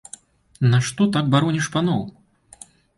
Нашто так бароніш паноў?